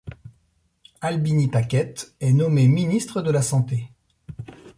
Albiny Paquette est nommé ministre de la Santé.